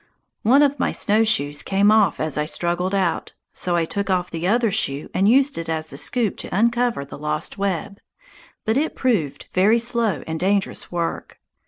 One of my snowshoes came off as I struggled out, so I took off the other shoe and used it as a scoop to uncover the lost web. But it proved very slow and dangerous work.